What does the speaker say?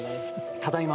ただいま。